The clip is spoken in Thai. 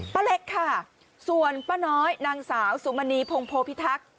เล็กค่ะส่วนป้าน้อยนางสาวสุมณีพงโพพิทักษ์